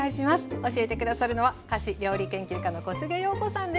教えて下さるのは菓子・料理研究家の小菅陽子さんです。